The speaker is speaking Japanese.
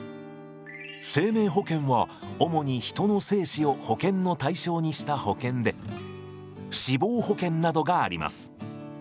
生命保険は主に人の生死を保険の対象にした保険で死亡保険などがあります。